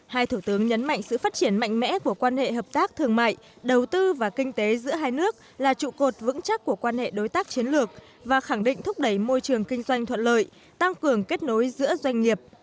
hai thủ tướng nhấn mạnh sự phát triển mạnh mẽ của quan hệ hợp tác thương mại đầu tư và kinh tế giữa hai nước là trụ cột vững chắc của quan hệ đối tác chiến lược và khẳng định thúc đẩy môi trường kinh doanh thuận lợi tăng cường kết nối giữa doanh nghiệp